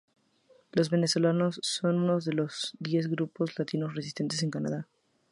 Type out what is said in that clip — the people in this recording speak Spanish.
Los venezolanos son uno de los más de diez grupos latinos residentes en Canadá.